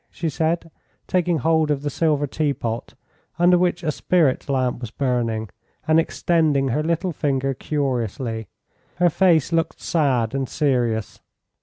she said, taking hold of the silver teapot, under which a spirit lamp was burning, and extending her little finger curiously. Her face looked sad and serious.